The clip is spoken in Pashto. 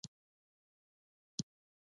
ځوانانو ته پکار ده چې، کرنه پرمختګ ورکړي.